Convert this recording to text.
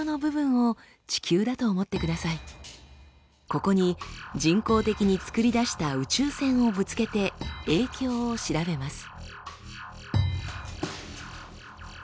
ここに人工的に作り出した宇宙線をぶつけて影響を調べます。